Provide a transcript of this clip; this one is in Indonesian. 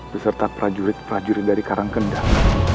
beserta prajurit prajurit dari karangkendang